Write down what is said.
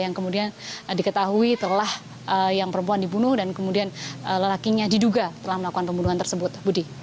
yang kemudian diketahui telah yang perempuan dibunuh dan kemudian lelakinya diduga telah melakukan pembunuhan tersebut budi